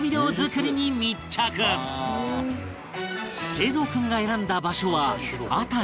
桂三君が選んだ場所は熱海